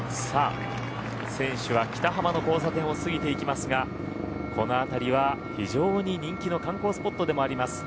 選手は北浜の交差点を過ぎていきますがこの辺りは非常に人気の観光スポットでもあります。